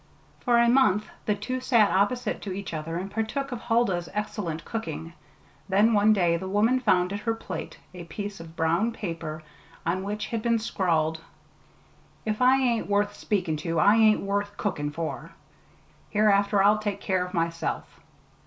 For a month the two sat opposite to each other and partook of Huldah's excellent cooking; then one day the woman found at her plate a piece of brown paper on which had been scrawled: If I ain't worth speakin' to I ain't worth cookin' for. Hereafter I'll take care of myself.